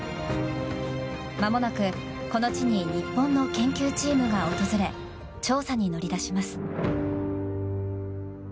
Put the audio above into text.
まもなく、この地に日本の研究チームが訪れ調査に乗り出します。